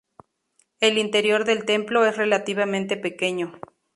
El interior del templo es relativamente pequeño.